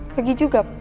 pagi juga pak